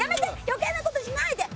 余計な事しないで！